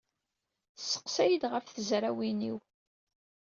Tesseqsa-iyi-d ɣef tezrawin-iw.